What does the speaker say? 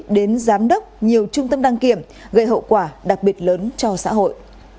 đến giám đốc nhiều trung tâm đăng kiểm gây hậu quả đặc biệt lớn cho xã hội